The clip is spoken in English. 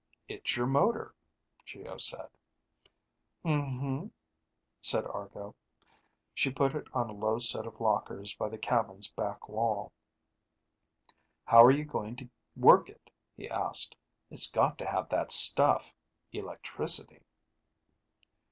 "It's your motor," Geo said. "Um hm," said Argo. She put it on a low set of lockers by the cabin's back wall. "How are you going to work it?" he asked. "It's got to have that stuff, electricity."